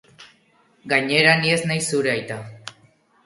Gainera, ni ez naiz zure aita.